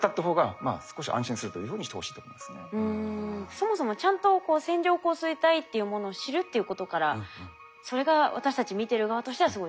そもそもちゃんと線状降水帯っていうものを知るっていうことからそれが私たち見てる側としてはすごい大切ですね。